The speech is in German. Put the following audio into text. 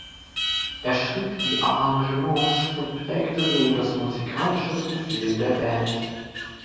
Er schrieb die Arrangements und prägte so das musikalische Profil der Band.